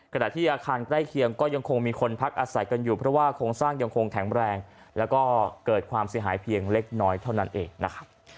ขณะที่อาคารใกล้เคียงก็ยังคงมีคนพักอาศัยกันอยู่เพราะว่าโครงสร้างยังคงแข็งแรงแล้วก็เกิดความเสียหายเพียงเล็กน้อยเท่านั้นเองนะครับ